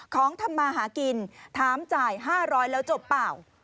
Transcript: ของทำมาหากินถามจ่าย๕๐๐แล้วจบเปล่า